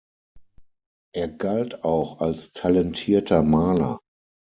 Er galt auch als talentierter Maler.